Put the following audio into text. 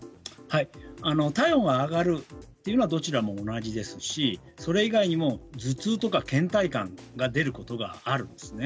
体温が上がるというのはどちらも同じですしそれ以外にも頭痛とか、けん怠感が出ることがあるんですね。